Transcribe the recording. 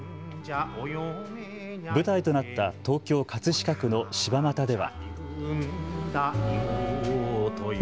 舞台となった東京・葛飾区の柴又では。